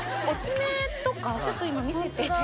お爪とかちょっと今見せて。